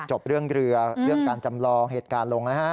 จบเรื่องเรือเรื่องการจำลองเหตุการณ์ลงนะฮะ